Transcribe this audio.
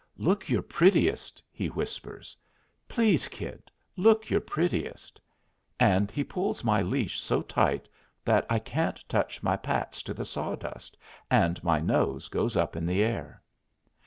"Look your prettiest," he whispers. "Please, Kid, look your prettiest"; and he pulls my leash so tight that I can't touch my pats to the sawdust, and my nose goes up in the air.